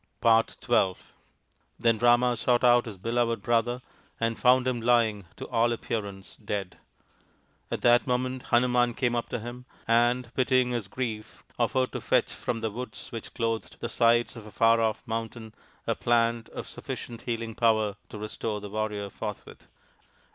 XII Then Rama sought out his beloved brother and found him lying, to all appearance, dead. At that D 50 THE INDIAN STORY BOOK moment Hanuman came up to him, and, pitying his grief, offered to fetch from the woods which clothed the sides of a far off mountain a plant of sufficient healing power to restore the warrior forthwith.